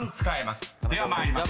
［では参ります。